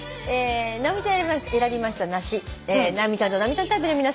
直美ちゃん選びました「梨」直美ちゃんと直美ちゃんタイプの皆さん